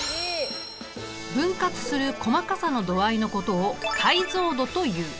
分割する細かさの度合いのことを解像度という。